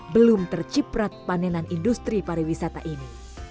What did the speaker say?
belum terciprat panenan industri pariwisata ini